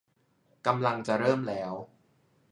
กำลังจะเริ่มแล้ว